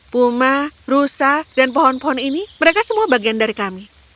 puma rusa dan pohon pohon ini mereka semua bagian dari kami